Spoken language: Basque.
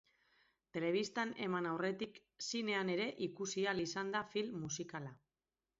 Telebistan eman aurretik zinean ere ikusi ahal izanda film musikala.